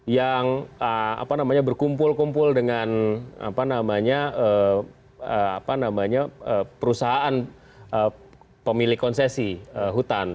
yang berkumpul kumpul dengan perusahaan pemilik konsesi hutan